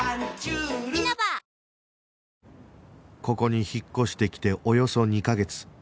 ここに引っ越してきておよそ２カ月